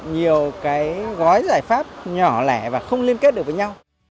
nhiều cái gói giải pháp nhỏ lẻ và không liên kết được với nhau